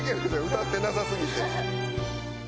歌ってなさすぎて。